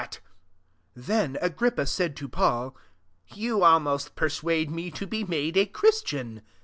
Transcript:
28 Then Agrippa Isaid] to Paul, " Thou almost persuadest me to be & Chris tian."